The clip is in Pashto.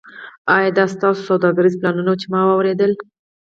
ایا دا ستاسو سوداګریز پلانونه وو چې ما اوریدل